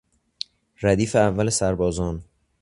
ردیف اول سربازان